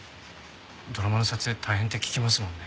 ドラマの撮影大変って聞きますもんね。